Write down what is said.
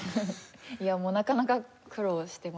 いやもうなかなか苦労してますね。